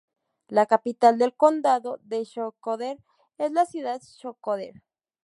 La capital del condado de Shkodër es la ciudad Shkodër.